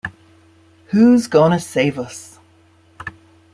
Who's Gonna Save Us?